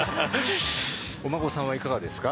お孫さんはいかがですか？